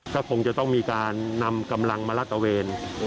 ก็คงจะต้องมีการนำกำลังมาลาดตะเวน